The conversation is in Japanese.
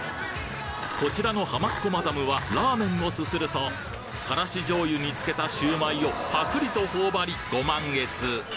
こちらのハマっ子マダムはラーメンをすするとからし醤油につけたシュウマイをパクリと頬張りご満悦！